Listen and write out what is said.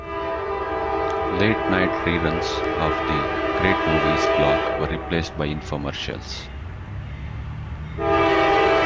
Late night reruns of the "Great Movies" block were replaced by infomercials.